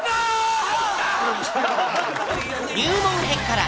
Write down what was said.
入門編から。